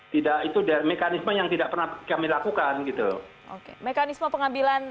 tidak itu mekanisme yang tidak pernah kami lakukan gitu oke mekanisme pengambilan